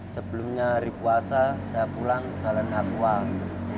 sebelumnya hari puasa saya pulang kalau enggak kuat